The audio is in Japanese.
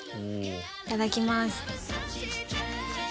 いただきます。